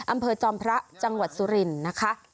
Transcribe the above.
อำเภอจอมพระจังหวัดสุรินนะคะ